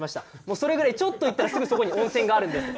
それぐらい、ちょっと行ったらすぐそこに温泉があるんですよ。